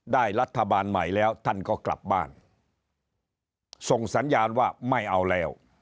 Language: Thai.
รัฐบาลใหม่แล้วท่านก็กลับบ้านส่งสัญญาณว่าไม่เอาแล้ว